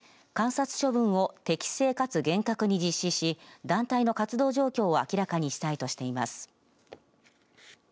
公安調査庁はＮＨＫの取材に対し観察処分を適正かつ厳格に実施し団体の活動状況を明らかにしたいとしています。